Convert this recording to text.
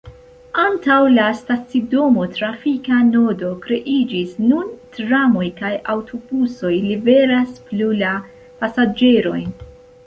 Antaŭ la stacidomo trafika nodo kreiĝis, nun tramoj kaj aŭtobusoj liveras plu la pasaĝerojn.